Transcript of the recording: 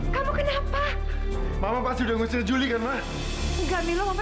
sampai jumpa di video selanjutnya